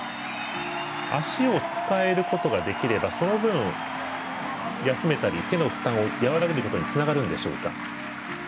足を使えることができればその分、休めたり手の負担を和らげることにつながるんでしょうか。